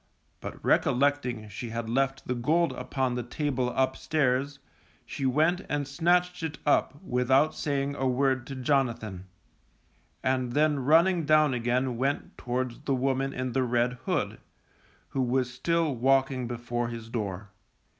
But recollecting she had left the gold upon the table upstairs, she went and snatched it up without saying a word to Jonathan, and then running down again went towards the woman in the red hood, who was still walking before his door.